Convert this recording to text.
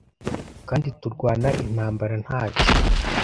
kandi turwana intambara ntacyo